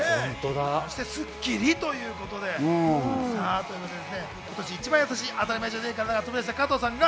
そして『スッキリ』ということで、今年一番優しい「当たり前じゃねえからな」が飛び出した加藤さん。